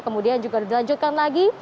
kemudian juga dilanjutkan lagi